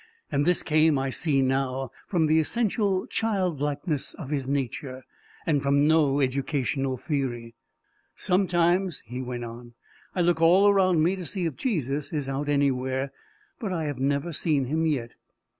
This came, I see now, from the essential childlikeness of his nature, and from no educational theory. "Sometimes," he went on, "I look all around me to see if Jesus is out anywhere, but I have never seen him yet!"